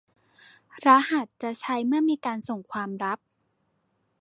รหัสจะใช้เมื่อมีการส่งความลับ